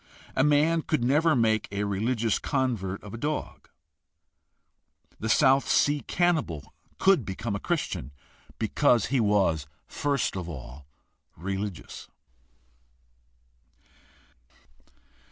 A man could never make a religious convert of a dog. The South Sea cannibal could become a Christian because he was first of all religious.